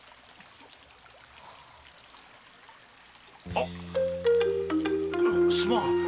あっ⁉すまん！